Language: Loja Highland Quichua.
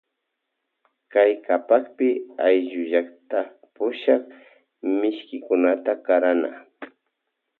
Kay kapakpi ayllullakta pushak mishkikunata karana.